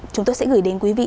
chúng tôi sẽ gửi đến quý vị